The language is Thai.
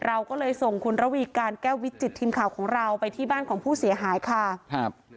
เราก็เลยส่งคุณระวีการแก้ววิจิตทีมข่าวของเราไปที่บ้านของผู้เสียหายค่ะครับ